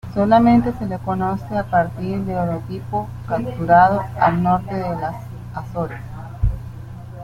Solamente se le conoce a partir del holotipo capturado al norte de las Azores.